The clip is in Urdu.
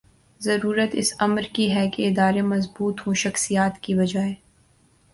ضرورت اس امر کی ہے کہ ادارے مضبوط ہوں ’’ شخصیات ‘‘ کی بجائے